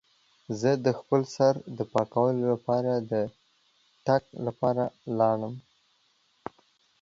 زه د خپل سر د پاکولو لپاره د تګ لپاره لاړم.